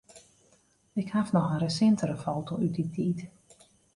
Ik haw noch in resintere foto út dy tiid.